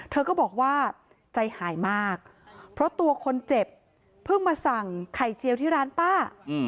เธอก็บอกว่าใจหายมากเพราะตัวคนเจ็บเพิ่งมาสั่งไข่เจียวที่ร้านป้า